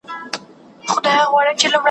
زه اړ نه یم چی را واخلم تصویرونه `